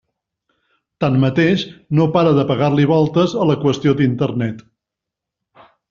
Tanmateix, no para de pegar-li voltes a la qüestió d'Internet.